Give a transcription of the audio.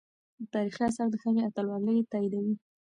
تاریخي آثار د هغې اتلولي تاییدوي.